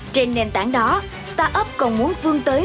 trên nền tảng đó start up còn muốn vương tới